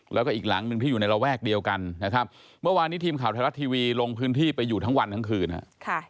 แล้วก็อีกหลังหนึ่งที่อยู่ในระแวกเดียวกันนะครับเมื่อวานนี้ทีมข่าวไทยรัฐทีวีลงพื้นที่ไปอยู่ทั้งวันทั้งคืนครับ